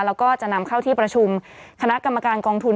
แล้วก็จะนำเข้าที่ประชุมคณะกรรมการกองทุน